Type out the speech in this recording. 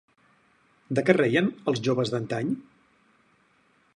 De què reien els joves d'antany?